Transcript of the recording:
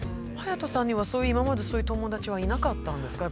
隼人さんには今までそういう友達はいなかったんですか？